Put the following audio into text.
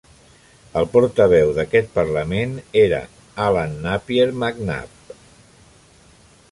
El portaveu d'aquest parlament era Allan Napier MacNab.